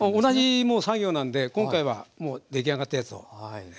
同じもう作業なんで今回はもう出来上がったやつを。